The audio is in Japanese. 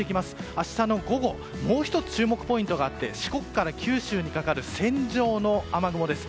明日の午後、もう１つ注目ポイントがあって四国から九州にかかる線状の雨雲です。